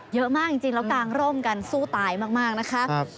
เยอะมากจริงแล้วกางร่มกันสู้ตายมากนะคะ